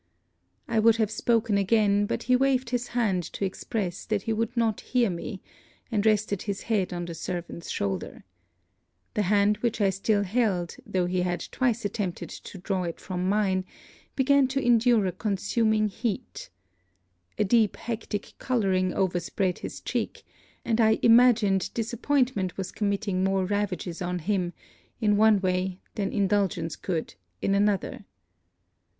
I would have spoken again, but he waved his hand to express that he would not hear me; and rested his head on the servant's shoulder. The hand which I still held, though he had twice attempted to draw it from mine, began to endure a consuming heat. A deep hectic colouring overspread his cheek; and I imagined disappointment was committing more ravages on him, in one way, than indulgence could, in another.